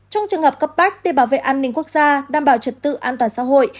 trong trường hợp cấp bách để bảo vệ an ninh quốc gia đảm bảo trật tự an toàn xã hội